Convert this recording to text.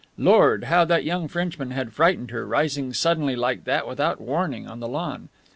Lord! how that young Frenchman had frightened her, rising suddenly like that, without warning, on the lawn.